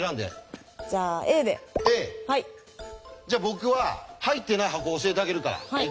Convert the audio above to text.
じゃ僕は入ってない箱を教えてあげるから。